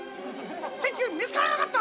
結局見つからなかった！